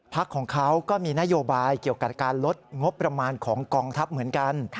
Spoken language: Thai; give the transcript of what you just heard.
ของเขาก็มีนโยบายเกี่ยวกับการลดงบประมาณของกองทัพเหมือนกัน